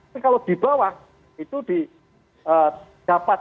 tapi kalau di bawah itu di dapat